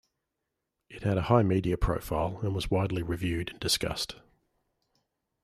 It had a high media profile, and was widely reviewed and discussed.